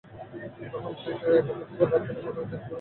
গ্রহণ শেষে প্রকাশিত তাৎক্ষণিক মতামত জরিপ থেকে এমনই ইঙ্গিত পাওয়া গেছে।